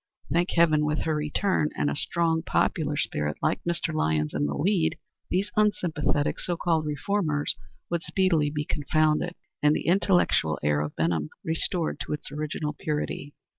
Thank heaven, with her return and a strong, popular spirit like Mr. Lyons in the lead, these unsympathetic, so called reformers would speedily be confounded, and the intellectual air of Benham restored to its original purity.